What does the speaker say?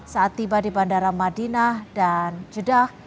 saat tiba di bandara madinah dan jeddah